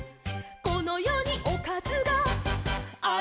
「このよにおかずがあるかぎり」